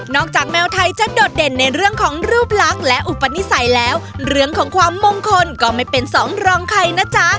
แมวไทยจะโดดเด่นในเรื่องของรูปลักษณ์และอุปนิสัยแล้วเรื่องของความมงคลก็ไม่เป็นสองรองใครนะจ๊ะ